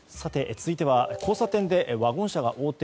続いては交差点でワゴン車が横転。